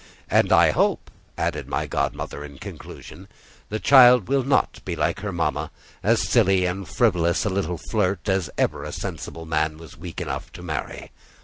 "And I hope," added my godmother in conclusion, "the child will not be like her mamma; as silly and frivolous a little flirt as ever sensible man was weak enough to marry.